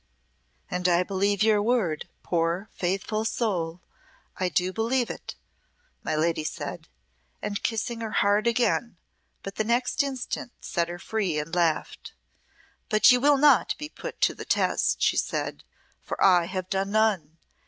"And I believe your word, poor, faithful soul I do believe it," my lady said, and kissed her hard again, but the next instant set her free and laughed. "But you will not be put to the test," she said, "for I have done none.